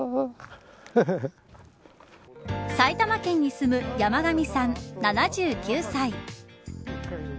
埼玉県に住む山神さん、７９歳。